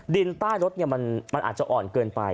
ดินใต้รถอ่อนมาก